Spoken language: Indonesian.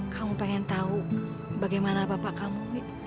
kamu pengen tahu bagaimana bapak kamu